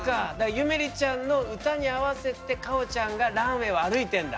ゆめりちゃんの歌に合わせてかおちゃんがランウェイを歩いてんだ。